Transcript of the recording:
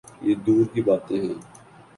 یہ دور کی باتیں ہیں۔